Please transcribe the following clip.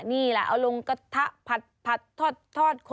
นี่แหละเอาลงกระทะผัดทอด